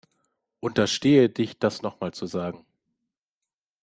Unterstehe dich das nochmal zu sagen.